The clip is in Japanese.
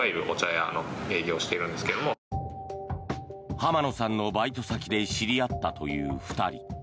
浜野さんのバイト先で知り合ったという２人。